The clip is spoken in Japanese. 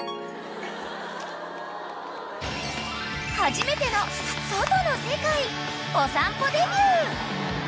［はじめての外の世界おさんぽデビュー］